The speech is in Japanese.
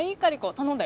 頼んだ。